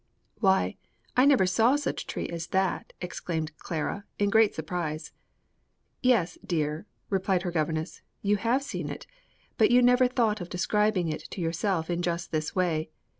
"Why, I never saw such a tree as that!" exclaimed Clara, in great surprise. "Yes, dear," replied her governess; "you have seen it, but you never thought of describing it to yourself in just this way.